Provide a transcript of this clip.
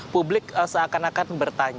publik seakan akan bertanya